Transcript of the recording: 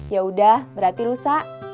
ya udah berarti rusak